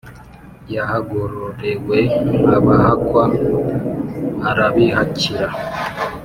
Yahagororewe abahakwa arabihakira,